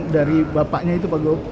dari bapaknya itu pak gop